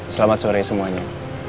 selamat sore semuanya